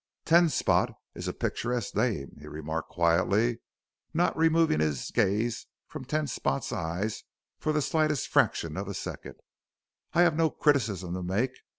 "'Ten Spot' is a picturesque name," he remarked quietly, not removing his gaze from Ten Spot's eyes for the slightest fraction of a second; "I have no criticism to make.